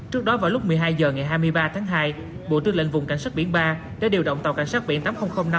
trước đó vào lúc một mươi hai h ngày hai mươi ba tháng hai bộ tư lệnh vùng cảnh sát biển ba đã điều động tàu cảnh sát biển tám nghìn năm